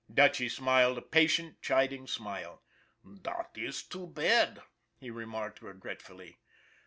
Dutchy smiled a patient, chiding smile. " Dot iss too bad," he remarked regretfully.